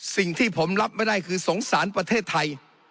สิ่งที่ผมรับไม่ได้คือสงสารประเทศไทย